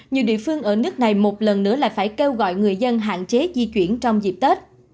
nhiều địa phương ở nước này một lần nữa lại phải kêu gọi người dân hạn chế di chuyển trong dịp tết